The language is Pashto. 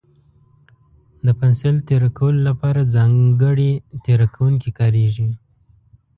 د پنسل تېره کولو لپاره ځانګړی تېره کوونکی کارېږي.